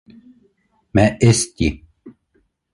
— Мә, эс, — ти.